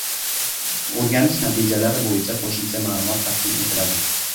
O‘rganish natijalari bo‘yicha qo‘shimcha ma’lumot taqdim etiladi